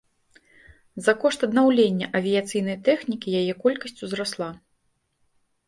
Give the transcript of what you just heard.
За кошт аднаўлення авіяцыйнай тэхнікі яе колькасць узрасла.